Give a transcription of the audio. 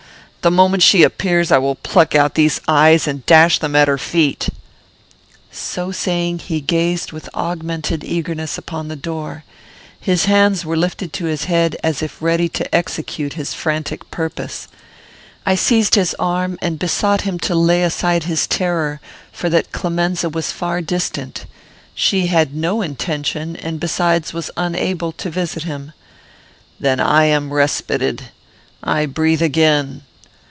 The moment she appears I will pluck out these eyes and dash them at her feet." So saying, he gazed with augmented eagerness upon the door. His hands were lifted to his head, as if ready to execute his frantic purpose. I seized his arm and besought him to lay aside his terror, for that Clemenza was far distant. She had no intention, and besides was unable, to visit him. "Then I am respited. I breathe again.